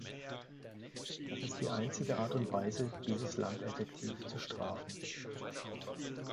Das ist die einzige Art und Weise, dieses Land effektiv zu strafen.